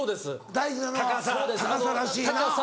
大事なのは高さらしいな。